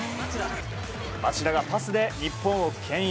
町田がパスで日本を牽引。